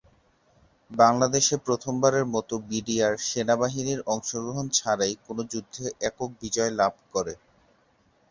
বাংলাদেশে প্রথমবারের মতো বিডিআর সেনাবাহিনীর অংশগ্রহণ ছাড়াই কোন যুদ্ধে একক বিজয় লাভ করে।